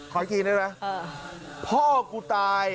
ขออีกทีได้ไหมพ่อกูตาย